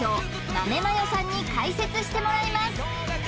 まめまよさんに解説してもらいます